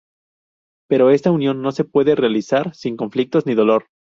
Pero está unión no se puede realizar sin conflictos ni dolor.